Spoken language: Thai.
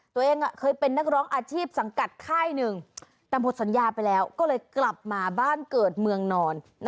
ตัวเองเคยเป็นนักร้องอาชีพสังกัดค่ายหนึ่งแต่หมดสัญญาไปแล้วก็เลยกลับมาบ้านเกิดเมืองนอน